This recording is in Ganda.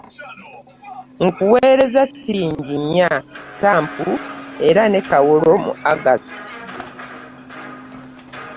Nkuweerezza shs nnya, stamp era ne "kawolo" mu August